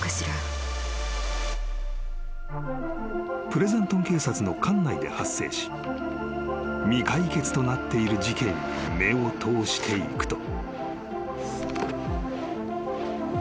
［プレザントン警察の管内で発生し未解決となっている事件に目を通していくと］